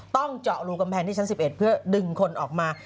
ต้องเจาะรูกำแพงที่ชั้น๑๑เพื่อดึงคนออกมา